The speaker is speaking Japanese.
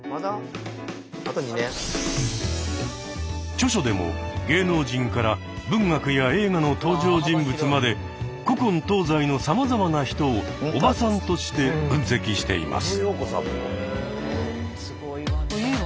著書でも芸能人から文学や映画の登場人物まで古今東西のさまざまな人を「おばさん」として分析しています。